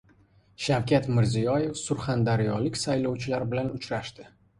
Shavkat Mirziyoyev surxondaryolik saylovchilar bilan uchrashdi